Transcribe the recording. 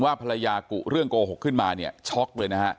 ภรรยากุเรื่องโกหกขึ้นมาเนี่ยช็อกเลยนะฮะ